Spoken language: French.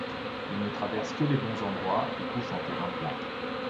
Il ne traverse que les bons endroits et couche en terrain plat.